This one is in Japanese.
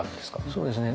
そうですね。